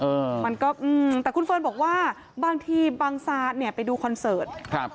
เออมันก็อืมแต่คุณเฟิร์นบอกว่าบางทีบางซานเนี่ยไปดูคอนเสิร์ตครับ